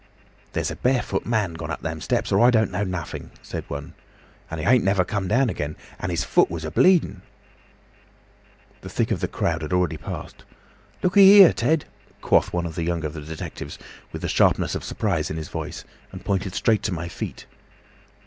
'There's a barefoot man gone up them steps, or I don't know nothing,' said one. 'And he ain't never come down again. And his foot was a bleeding.' "The thick of the crowd had already passed. 'Looky there, Ted,' quoth the younger of the detectives, with the sharpness of surprise in his voice, and pointed straight to my feet.